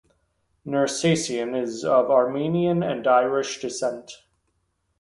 Nersesian is of Armenian and Irish descent.